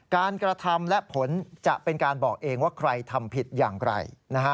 การกระทำและผลจะเป็นการบอกเองว่าใครทำผิดอย่างไร